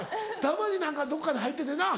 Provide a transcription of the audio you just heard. たまに何かどっかに入っててな。